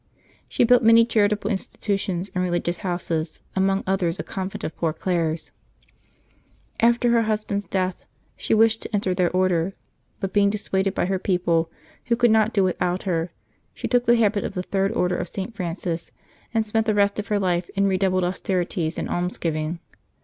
She built many charitable institutions and religious houses, among others a convent of Poor Clares. After her hus band's death, she wished to enter their Order; but being dissuaded by her people, who could not do without her, she took the habit of the Third Order of St. Francis, and spent the rest of her life in redoubled austerities and almsgiving.